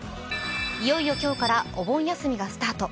いよいよ今日からお盆休みがスタート。